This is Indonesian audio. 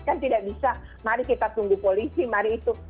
kan tidak bisa mari kita tunggu polisi mari itu